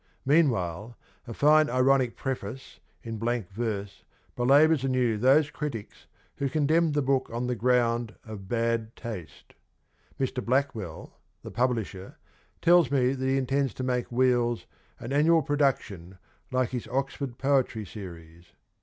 Meanwhile, a fine ironic preface in blank verse belabours anew those critics who condemned the book on the ground of ' bad taste.' Mr. Blackwell, the publisher, tells me that he intends to make ' Wheels ' an annual production like his Oxford Poetry series.